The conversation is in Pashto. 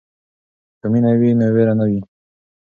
که مینه وي نو وېره نه وي.